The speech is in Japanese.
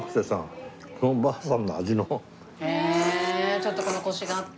ちょっとこのコシがあって。